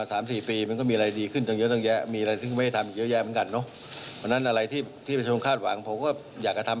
ไปฟังเสียงนายกกันหน่อยค่ะ